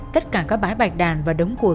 tất cả các bãi bạch đàn và đống củi